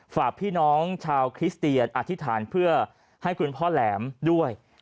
ฝากพี่น้องชาวคริสเตียนอธิษฐานเพื่อให้คุณพ่อแหลมด้วย